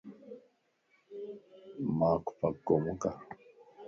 مانک پڪو مَ مڪر